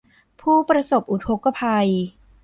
ผู้ประสบอุทกภัย